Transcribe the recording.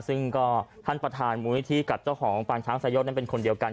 ซึ่งก็ท่านประธานมูลนิธิกับเจ้าของปางช้างสายศนั้นเป็นคนเดียวกัน